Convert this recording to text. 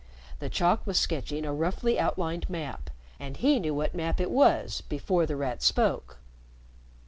The chalk was sketching a roughly outlined map, and he knew what map it was, before The Rat spoke.